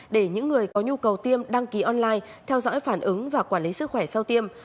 để những người có nhu cầu tiêm đăng ký online theo dõi phản ứng và quản lý sức khỏe sau tiêm